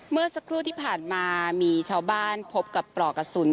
เมื่อสักครู่ที่ผ่านมามีชาวบ้านพบกับปลอกกระสุน